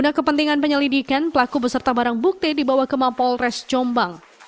guna kepentingan penyelidikan pelaku beserta barang bukti dibawa ke mampol res jombang